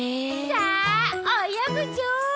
さあおよぐぞ！